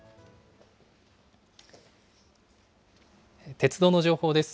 鉄道の情報です。